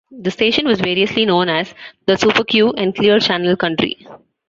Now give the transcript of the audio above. The station was variously known as "The Super Q" and "Clear Channel Country".